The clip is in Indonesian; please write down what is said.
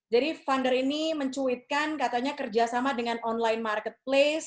jadi funder ini mencuitkan katanya kerjasama dengan online marketplace